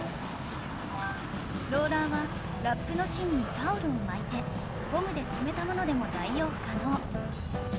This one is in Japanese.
ローラーはラップの芯にタオルを巻いてゴムで留めたものでも代用可能